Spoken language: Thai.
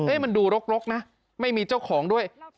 มันดูรกนะไม่มีเจ้าของด้วย